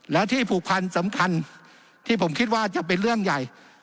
และที่ผูกพันสำคัญที่ผมคิดว่าจะเป็นเรื่องใหญ่